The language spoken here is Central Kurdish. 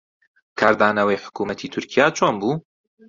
کاردانەوەی حکوومەتی تورکیا چۆن بوو؟